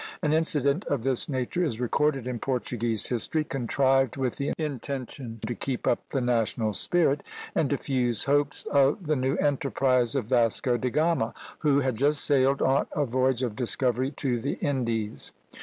An incident of this nature is recorded in Portuguese history, contrived with the intention to keep up the national spirit, and diffuse hopes of the new enterprise of Vasco de Gama, who had just sailed on a voyage of discovery to the Indies.